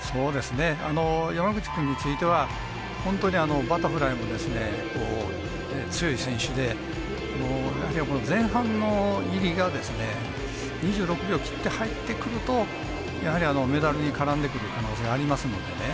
山口君については本当にバタフライもですね強い選手で前半の入りが２６秒切って入ってくるとやはりメダルに絡んでくる可能性ありますのでね。